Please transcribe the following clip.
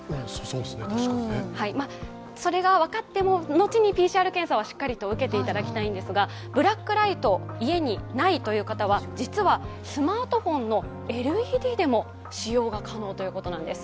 それが分かっても、後にＰＣＲ検査はしっかりと受けていただきたいのですが、ブラックライトが家にないという方は実はスマートフォンのＬＥＤでも使用が可能ということなんです。